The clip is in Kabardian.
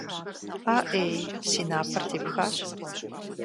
АӀей, си напэр тепхащ!